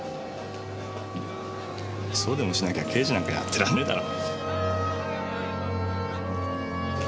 そうでもしなきゃ刑事なんかやってられねえだろ？